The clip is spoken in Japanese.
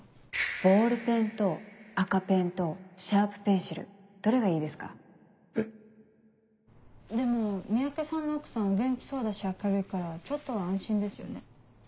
ボールペンと赤ペンとシャープペンシルでも三宅さんの奥さんお元気そうだし明るいからちょっとは安心ですよね。